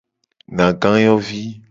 Nagayovi.